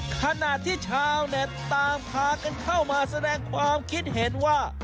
ขณะที่ชาวเน็ตต่างพากันเข้ามาแสดงความคิดเห็นว่า